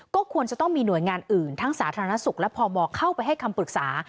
ก็ควรจะต้องมีหน่วยงานอื่นทั้งสาธารณสุขและพมเข้าไปให้คำปรึกษา